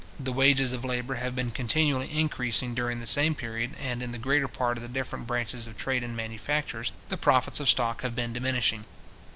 The wages of labour have been continually increasing during the same period, and, in the greater part of the different branches of trade and manufactures, the profits of stock have been diminishing.